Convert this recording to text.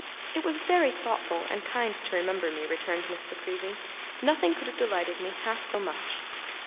'It was very thoughtful and kind to remember me,' returned Miss La Creevy. 'Nothing could have delighted me half so much.